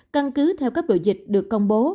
căn cứ theo cấp độ dịch được công bố